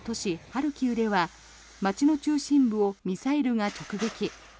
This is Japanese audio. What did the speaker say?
ハルキウでは街の中心部をミサイルが直撃。